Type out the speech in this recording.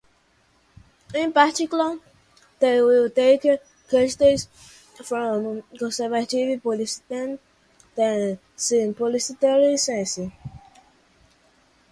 In particular, they will take quotes from conservative politicians that seem politically sensitive.